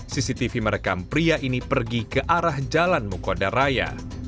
cctv merekam pria ini pergi ke arah jalan mukodaraya